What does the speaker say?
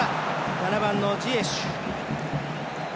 ７番のジエシュ。